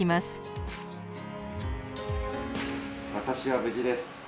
私は無事です。